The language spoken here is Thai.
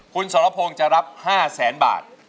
คุณสรพงศ์จะรับ๕แสนบาท